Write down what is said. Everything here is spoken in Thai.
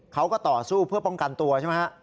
ต่อสู้เพื่อป้องกันตัวใช่ไหมฮะ